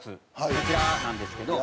こちらなんですけど。